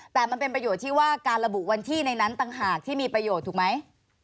แต่มันเป็นประโยชน์ที่ว่าการระบุวันที่ในนั้นต่างหากที่มีประโยชน์ถูกไหม